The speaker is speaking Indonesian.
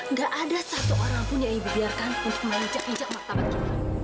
nggak ada satu orang pun yang ibu biarkan untuk mengajak injak martabat kita